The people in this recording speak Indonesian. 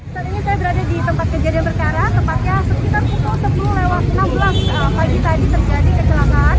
saat ini saya berada di tempat kejadian perkara tepatnya sekitar pukul sepuluh lewat enam belas pagi tadi terjadi kecelakaan